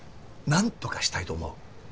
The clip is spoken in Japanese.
何とかしたいと思う。